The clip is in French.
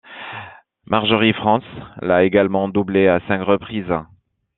Marjorie Frantz l'a également doublé à cinq reprises.